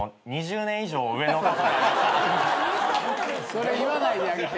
それ言わないであげて。